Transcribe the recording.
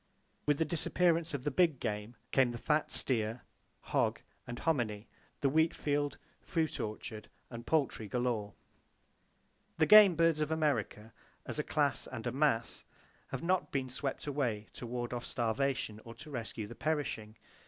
With the disappearance of the big game came the fat steer, hog and hominy, the wheat field, fruit orchard and poultry galore. The game birds of America, as a class and a mass, have not been swept away to ward off starvation or to rescue the perishing.